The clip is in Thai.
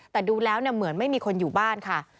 แต่ดูแล้วเหมือนไม่มีคนอยู่บ้านค่ะ